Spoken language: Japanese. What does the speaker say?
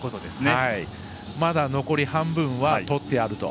まだ残り半分は取ってあると。